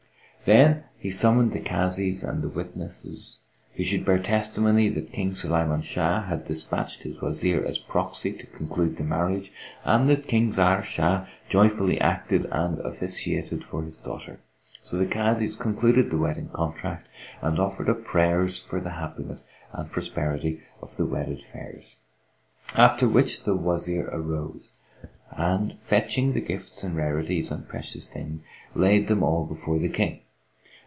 Then he summoned the Kazis and the witnesses, who should bear testimony that King Sulayman Shah had despatched his Wazir as proxy to conclude the marriage, and that King Zahr Shah joyfully acted and officiated for his daughter. So the Kazis concluded the wedding contract and offered up prayers for the happiness and prosperity of the wedded feres; after which the Wazir arose and, fetching the gifts and rarities and precious things, laid them all before the King.